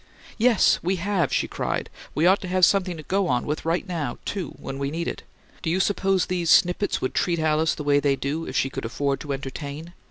"Yes, we have!" she cried. "We ought to have something to go on with right now, too, when we need it. Do you suppose these snippets would treat Alice the way they do if she could afford to ENTERTAIN?